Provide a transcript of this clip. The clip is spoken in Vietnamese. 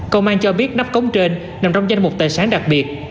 công an cho biết nắp cống trên nằm trong danh mục tài sản đặc biệt